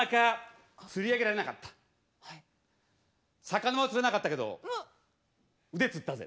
魚は釣れなかったけど腕つったぜ。